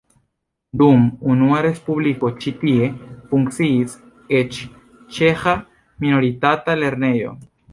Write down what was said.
Dum unua respubliko ĉi tie funkciis eĉ ĉeĥa minoritata lernejo.